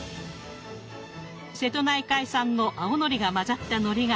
瀬戸内海産の青のりが混ざったのりが特徴。